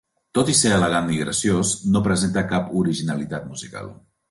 Tot i ser elegant i graciós, no presenta cap originalitat musical.